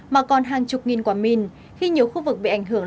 mà còn hàng chục nghìn quả mìn khi nhiều khu vực bị ảnh hưởng